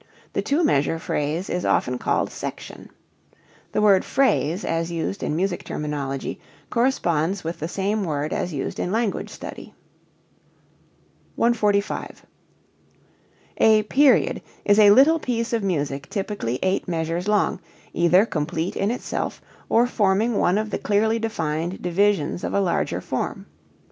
The two measure phrase is often called section. The word phrase as used in music terminology corresponds with the same word as used in language study. 145. A period is a little piece of music typically eight measures long, either complete in itself or forming one of the clearly defined divisions of a larger form.